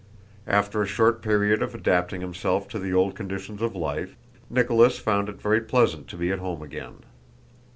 After a short period of adapting himself to the old conditions of life, Nicholas found it very pleasant to be at home again.